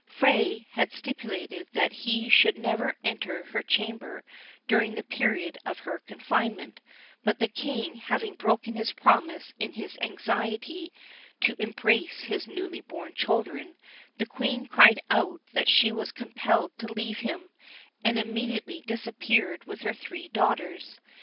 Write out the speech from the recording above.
Fay had stipulated that he should never enter her chamber during the period of her confinement; but the King having broken his promise in his anxiety to embrace his newly born children, the Queen cried out that she was compelled to leave him, and immediately disappeared with her three daughters.